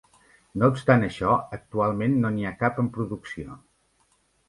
No obstant això, actualment no n'hi ha cap en producció.